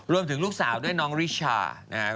ลูกสาวด้วยน้องริชานะครับ